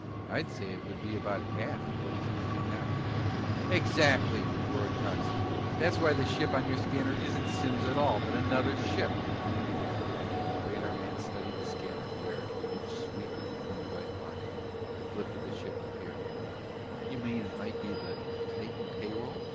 "I'd say it would be about half of what he's making now!" "Exactly!" roared Coxine. "That's why the ship on your scanner isn't Simms' at all, but another ship!" The radarman studied the scanner, where, with each sweep of the thin white line, the blip of the ship appeared. "You mean it might be the Titan pay roll?"